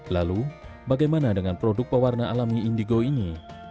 lalu bagaimana dengan produk pewarna alami indigo ini